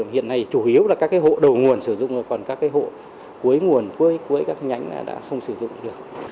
hiện nay chủ yếu là các hộ đầu nguồn sử dụng còn các hộ cuối nguồn cuối các nhánh đã không sử dụng được